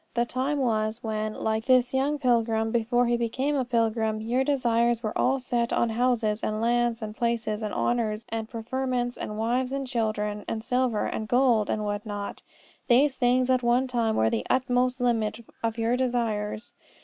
The time was, when, like this young pilgrim before he became a pilgrim, your desires were all set on houses, and lands, and places, and honours, and preferments, and wives, and children, and silver, and gold, and what not. These things at one time were the utmost limit of your desires.